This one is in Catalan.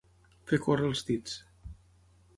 Fer córrer els dits.